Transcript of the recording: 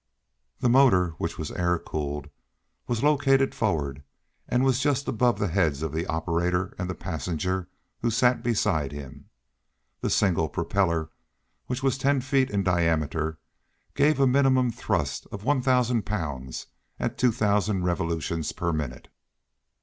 The motor, which was air cooled, was located forward, and was just above the heads of the operator and the passenger who sat beside him. The single propeller, which was ten feet in diameter, gave a minimum thrust of one thousand pounds at two thousand revolutions per minute.